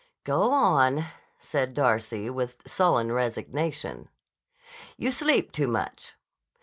"Go on," said Darcy with sullen resignation. "You sleep too much."